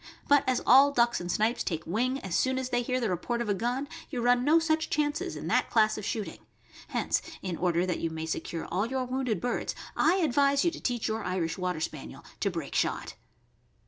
But as all ducks and snipes take wing as soon as. they hear the report of a gun, you run no such chances in that class of shooting; hence, in order that you may secure all your wounded birds, I advise you to teach your Irish Water Spaniel to break shot.